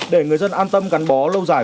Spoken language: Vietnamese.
để người dân an tâm gắn bó lâu dài